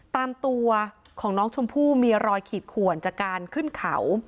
ตามตัวของน้องชมพู่มีรอยขีดขวนจากการขึ้นเขา